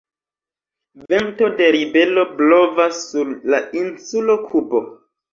Vento de ribelo blovas sur la insulo Kubo.